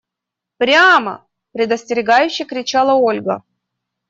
– Прямо! – предостерегающе кричала Ольга.